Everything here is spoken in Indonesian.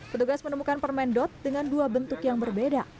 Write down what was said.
petugas menemukan permen dot dengan dua bentuk yang berbeda